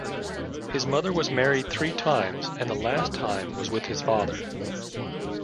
His mother was married three times and the last time was with his father.